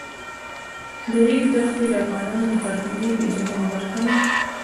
د ریګ دښتې د افغانانو د فرهنګي پیژندنې برخه ده.